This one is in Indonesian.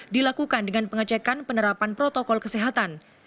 dilakukan dengan pengecekan penerapan protokol kesehatan